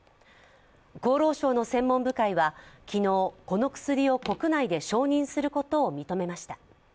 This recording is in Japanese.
厚労省の専門部会は昨日、この薬を国内で承認することを認めました。